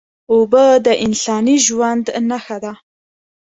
اوبه د انساني ژوند نښه ده